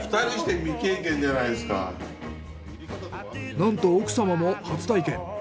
なんと奥様も初体験。